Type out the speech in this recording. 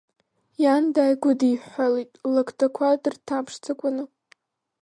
Иан дааигәыдиҳәҳәалеит, ллакҭақәа дырҭамԥшӡакәаны.